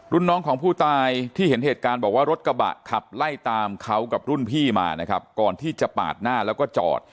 รุ่นน้องของผู้ตายที่เห็นเหตุการณ์บอกว่ารถกระบะขับไล่ตามเขากับรุ่นพี่มานะครับก่อนที่จะปาดหน้าแล้วก็จอด